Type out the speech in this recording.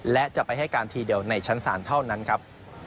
และจะไปให้การทีเดียวในชั้นศาลเท่านั้นครับ